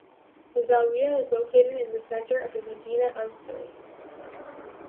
The zawiya is located in the center of the medina of Sousse.